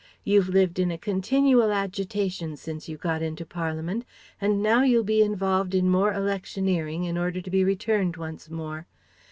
You've lived in a continual agitation since you got into Parliament, and now you'll be involved in more electioneering in order to be returned once more.